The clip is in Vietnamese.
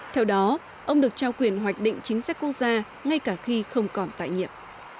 theo đó ông được trao quyền hoạch định chính sách quốc gia ngay cả khi không còn tại nhiệm